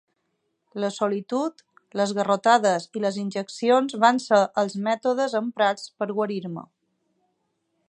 La solitud, les garrotades i les injeccions van ser el mètodes emprats per guarir-me.